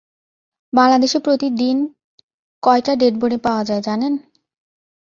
বাংলাদেশে প্রতি দিন কয়টা ডেড বডি পাওয়া যায় জানেন?